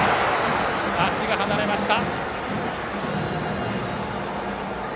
足が離れました。